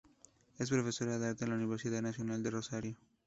Es profesora de arte en la Universidad Nacional de Rosario.